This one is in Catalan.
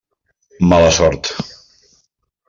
Mala sort.